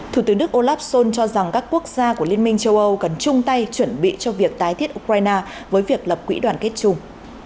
thủ tướng đức olaf scholz cho rằng các quốc gia của liên minh châu âu cần chung tay chuẩn bị cho việc tái thiết ukraine với việc lập quỹ đoàn kết chung